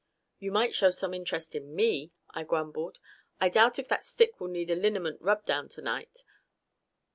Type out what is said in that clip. "You might show some interest in me," I grumbled. "I doubt if that stick will need a liniment rubdown tonight.